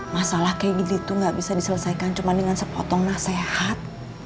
masalah kayak gitu itu nggak bisa diselesaikan cuma dengan sepotong nasihat